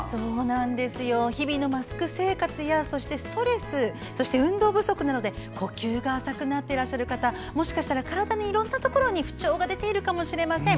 日々のマスク生活やそしてストレス、運動不足などで呼吸が浅くなっていらっしゃる方もしかしたら体のいろんなところに不調が出ているかもしれません。